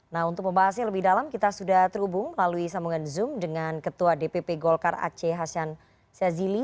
nah untuk membahasnya lebih dalam kita sudah terhubung melalui sambungan zoom dengan ketua dpp golkar aceh hasan sazili